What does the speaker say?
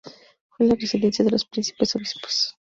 Fue la residencia de los príncipes-obispos.